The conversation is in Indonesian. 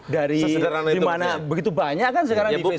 dari dimana begitu banyak kan sekarang di pdi